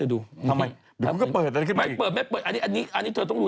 เดี๋ยวฉันได้ให้เธอดู